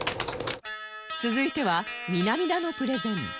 続いては南田のプレゼン